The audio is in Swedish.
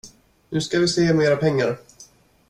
Nu ska vi se om era pengar.